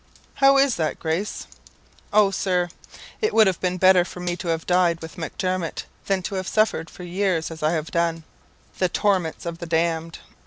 "'How is that, Grace?' "'Oh, Sir, it would have been better for me to have died with Macdermot than to have suffered for years, as I have done, the torments of the damned.